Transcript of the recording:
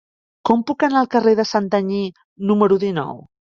Com puc anar al carrer de Santanyí número dinou?